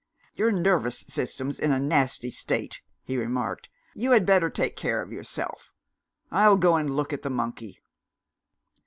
"Your nervous system's in a nasty state," he remarked; "you had better take care of yourself. I'll go and look at the monkey."